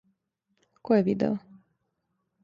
Ко је видео?